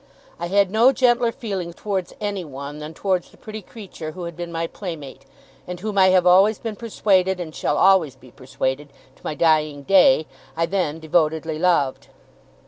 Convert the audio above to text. I had no gentler feeling towards anyone than towards the pretty creature who had been my playmate, and whom I have always been persuaded, and shall always be persuaded, to my dying day, I then devotedly loved.